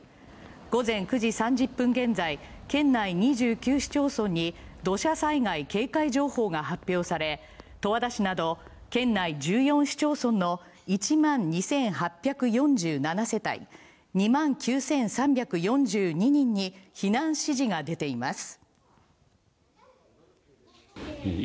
午前９時３０分現在、県内２９市町村に土砂災害警戒情報が発表され、十和田市など県内１４市町村の１万２８４７世帯、２万９３４２人に避難指示が出ています。